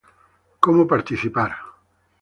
Cómo Participar